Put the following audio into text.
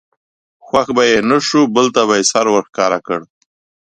خوښ به یې نه شو بل ته به سر ور ښکاره کړ.